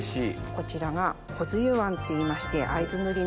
こちらがこづゆ椀っていいまして会津塗の。